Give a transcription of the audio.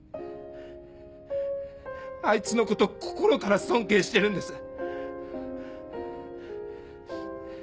あいつのこと心から尊敬してるんです。